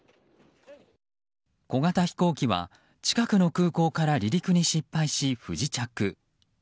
小型飛行機は、近くの空港から離陸に失敗し不時着。